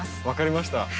分かりました。